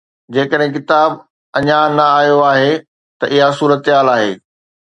جيڪڏهن ڪتاب اڃا نه آيو آهي ته اها صورتحال آهي.